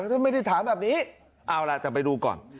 ท่านไม่ได้ถามแบบนี้เอาล่ะแต่ไปดูก่อน